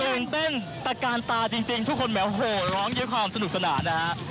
ตื่นเต้นตะกานตาจริงทุกคนแหมโหร้องด้วยความสนุกสนานนะฮะ